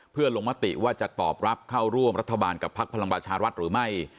เพื่อลงมติว่าจะตอบรับเข้าร่วมรัฐบาลกับพักพลังประชารัฐหรือไม่